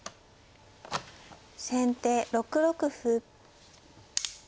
先手６六歩。